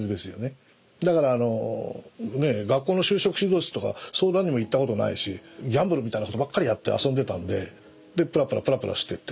だからあの学校の就職指導室とか相談にも行ったことないしギャンブルみたいなことばっかりやって遊んでたんででプラプラプラプラしてて。